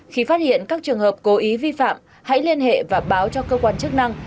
khi phát hiện các trường hợp cố ý vi phạm hãy liên hệ và báo cho cơ quan chức năng